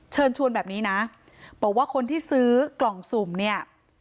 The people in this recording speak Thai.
เชิญชวนแบบนี้นะบอกว่าคนที่ซื้อกล่องสุ่มเนี่ย